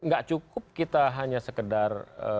gak cukup kita hanya sekedar